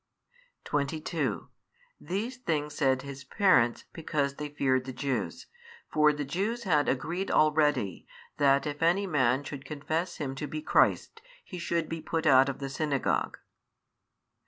22 These things said his parents, because they feared the Jews: for the Jews had agreed already, that if any man should confess Him to be Christ, he should be put out of the synagogue.